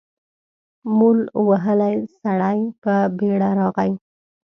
مول وهلی سړی په بېړه راغی.